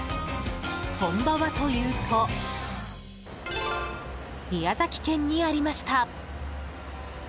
本場はというと宮崎県にありました。